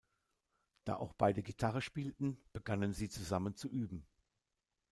Da auch beide Gitarre spielten, begannen sie, zusammen zu üben.